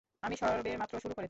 আমি সবেমাত্র শুরু করেছি।